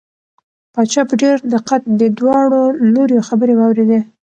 پاچا په ډېر دقت د دواړو لوریو خبرې واورېدې.